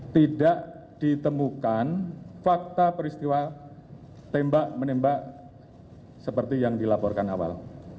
tidak ditemukan fakta peristiwa tembak menembak seperti yang dilaporkan awal